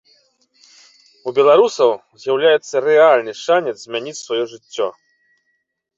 У беларусаў з'яўляецца рэальны шанец змяніць сваё жыццё.